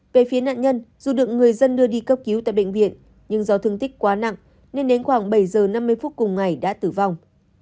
về phía nạn nhân dù được người dân đưa đi cấp cứu tại bệnh viện nhưng do thương tích quá nặng nên đến khoảng bảy giờ năm mươi phút cùng ngày đã tử vong